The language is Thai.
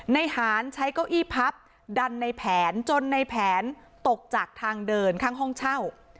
ในหารใช้เก้าอี้พับดันในแผนจนในแผนตกจากทางเดินข้างห้องเช่า